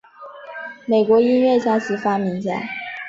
美国音乐家及发明家。